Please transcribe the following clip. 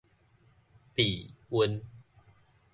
避孕